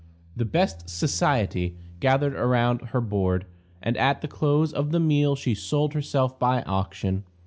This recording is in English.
The "best society" gathered around her board, and at the close of the meal she sold herself by auction.